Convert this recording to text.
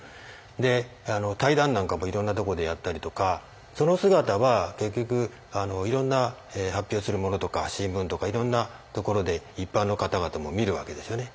で対談なんかもいろんなとこでやったりとかその姿は結局いろんな発表するものとか新聞とかいろんなところで一般の方々も見るわけですよね。